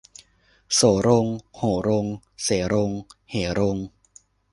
โสรงโหรงเสรงเหรง